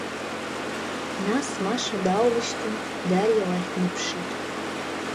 Нас Маша дааулыжьҭын Дариа лахь днаԥшит…